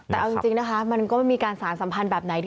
แต่เอาจริงนะคะมันก็ไม่มีการสารสัมพันธ์แบบไหน